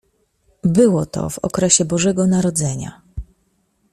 Było to w okresie Bożego Narodzenia.